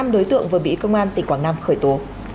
năm đối tượng vừa bị công an tỉnh quảng nam khởi tố